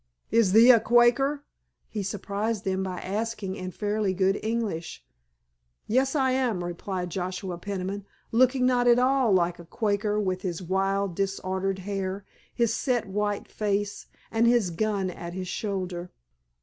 "Is thee a Quaker?" he surprised them by asking in fairly good English. "Yes, I am," replied Joshua Peniman, looking not at all like a Quaker with his wild, disordered hair, his set white face and his gun at his shoulder.